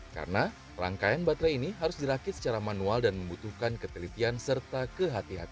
karena rangkaian baterai ini harus dirakit secara manual dan membutuhkan ketelitian serta kehatian